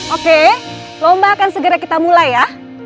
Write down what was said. oke lomba akan segera kita mulai ya